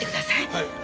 はい。